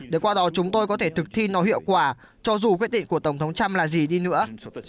để qua đó chúng tôi có thể thực thi nó hiệu quả cho dù quyết định của tổng thống trump là gì đi nữa